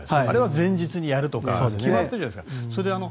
あれは前日にやるとか決まってるじゃないですか。